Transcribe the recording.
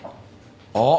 あっ！